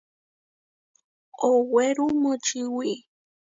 Owéru močiwí.